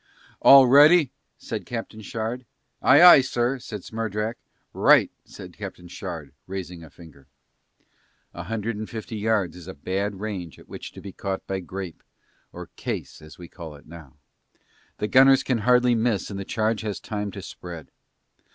"All ready?" said Captain Shard. "Aye, aye, sir," said Smerdrak. "Right," said Captain Shard raising a finger. A hundred and fifty yards is a bad range at which to be caught by grape (or "case" as we call it now), the gunners can hardly miss and the charge has time to spread.